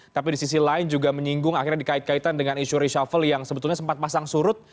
tapi di sisi lain juga menyinggung akhirnya dikait kaitan dengan isu reshuffle yang sebetulnya sempat pasang surut